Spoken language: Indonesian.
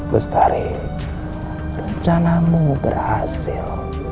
bestari rencanamu berhasil